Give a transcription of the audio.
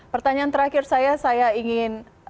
pertanyaan terakhir saya saya ingin